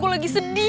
gue lagi sedih